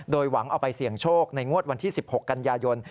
โดยหวังเอาไปเสี่ยงโชคในงวดวันที่๑๖กันยายน